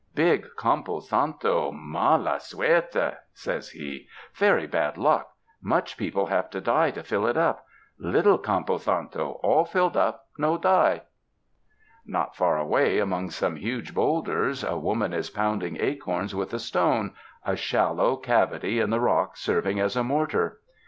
"Big campo santo, mala suerte," says he, ''very bad luck; much people have to die to fill it up. Little campo santo, all filled up, no die." Not far away, among some huge bowlders, a woman is pounding acorns with a stone, a shallow cavity in the rock serving as a mortar.